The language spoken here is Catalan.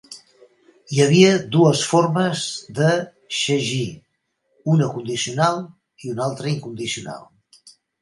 Hi havia dos formes de "jagir", una condicional i l"altre incondicional.